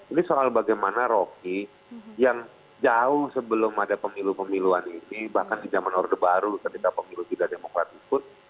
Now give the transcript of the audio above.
ini soal bagaimana rocky yang jauh sebelum ada pemilu pemiluan ini bahkan di zaman orde baru ketika pemilu tidak demokrat ikut